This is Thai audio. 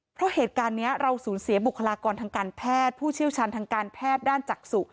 เพราะเหตุการณ์นี้เราสูญเสียบุคลากรทางการแพทย์ผู้เชี่ยวชาญทางการแพทย์ด้านจักษุ